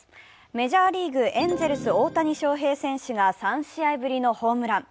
メジャーリーグ・エンゼルス、大谷翔平選手が３試合ぶりのホームラン。